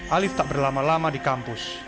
alif tak berlama lama di kampus